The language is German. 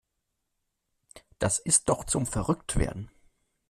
Das ist doch zum verrückt werden.